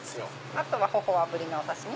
あとは頬あぶりのお刺し身